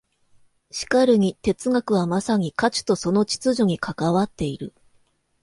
しかるに哲学はまさに価値とその秩序に関わっている。